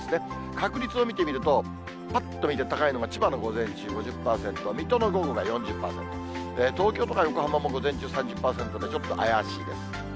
確率を見てみると、ぱっと見て高いのが、千葉の午前中５０％、水戸の午後が４０％、東京とか横浜も午前中３０％で、ちょっと怪しいです。